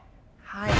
はい。